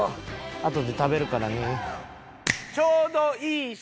あとで食べるからね。